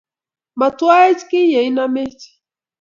Matwa-ech kiy ye inamech,